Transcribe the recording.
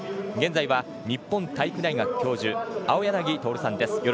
現在は日本体育大学教授青柳徹さんです。